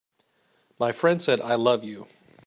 My friend said: "I love you."